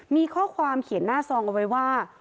มีข้อความเขียนหน้าซองเอาไว้ว่า